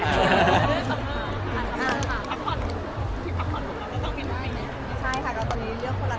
พี่เอ็มเค้าเป็นระบองโรงงานหรือเปลี่ยนไงครับ